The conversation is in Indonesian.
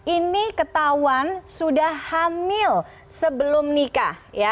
ini ketahuan sudah hamil sebelum nikah